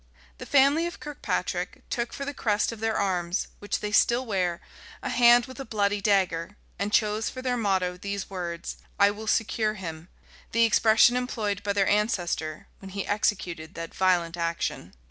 The family of Kirkpatric took for the crest of their arms, which they still wear, a hand with a bloody dagger; and chose for their motto these words, "I will secure him;" the expression employed by their ancestor when he executed that violent action.